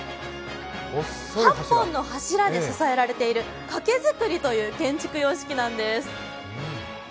８本の柱で支えられている懸造りという建築様式なんです。